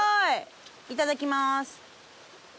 いただきます。